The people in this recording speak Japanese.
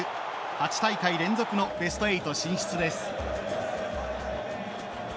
８大会連続のベスト８進出です。